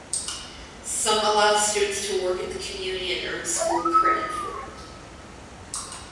Some allow students to work in the community and earn school credit for it.